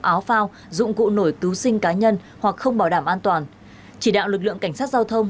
áo phao dụng cụ nổi cứu sinh cá nhân hoặc không bảo đảm an toàn chỉ đạo lực lượng cảnh sát giao thông